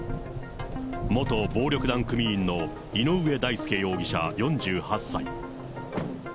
元暴力団組員の井上大輔容疑者４８歳。